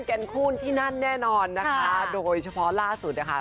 แกนคูณที่นั่นแน่นอนนะคะโดยเฉพาะล่าสุดนะคะ